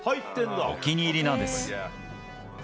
お気に入りなんです。